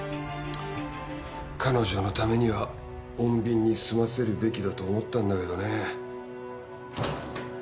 彼女のためには穏便に済ませるべきだと思ったんだけどね。